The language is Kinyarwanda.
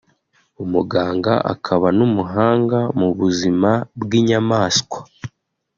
umuganga akaba n’umuhanga mu buzima bw’inyamaswa